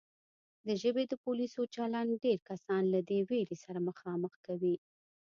د ژبې د پولیسو چلند ډېر کسان له دې وېرې سره مخامخ کوي